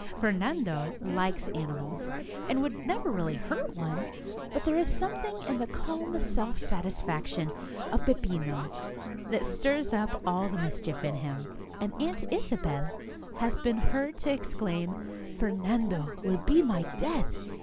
Fernando likes animals, and would never really hurt one, but there is something in the calm self satis faction of Beppino which stirs up all the mis chief in him, and Aunt Isabel has been heard to exclaim :" Fernando will be my death